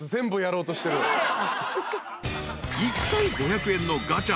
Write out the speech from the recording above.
［１回５００円のガチャ。